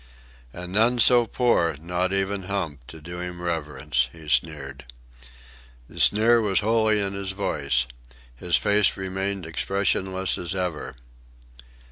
"And none so poor, not even Hump, to do him reverence," he sneered. The sneer was wholly in his voice. His face remained expressionless as ever.